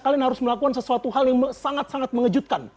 kalian harus melakukan sesuatu hal yang sangat sangat mengejutkan